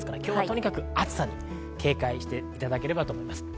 今日は暑さに警戒していただければと思います。